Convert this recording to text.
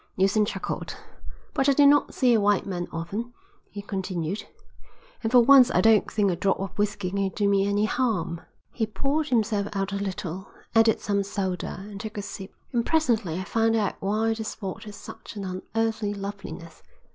Neilson chuckled. "But I do not see a white man often," he continued, "and for once I don't think a drop of whisky can do me any harm." He poured himself out a little, added some soda, and took a sip. "And presently I found out why the spot had such an unearthly loveliness.